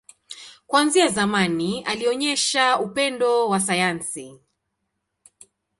Kuanzia zamani, alionyesha upendo wa sayansi.